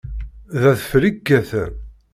D adfel i yekkaten?